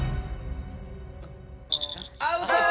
アウトー！